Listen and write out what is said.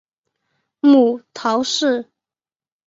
母姚氏。